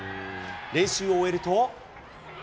練習を終えると。